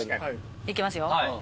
いきますよ。